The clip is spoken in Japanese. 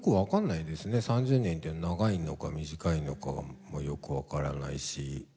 ３０年って長いのか短いのかもよく分からないし。